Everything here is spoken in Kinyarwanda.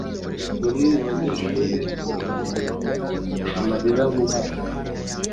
Bamwe mu banyeshuri bamurebaga amarira mu maso.